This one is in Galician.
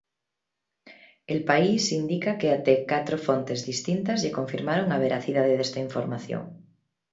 El País indica que até catro fontes distintas lle confirmaron a veracidade desta información.